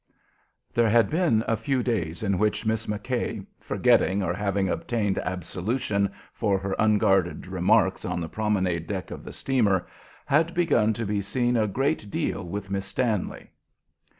There had been a few days in which Miss McKay, forgetting or having obtained absolution for her unguarded remarks on the promenade deck of the steamer, had begun to be seen a great deal with Miss Stanley.